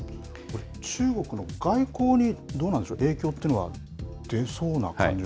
中国の外交にどうなんでしょう、影響というのは出そうな感じ。